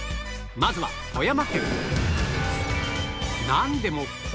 まずは富山県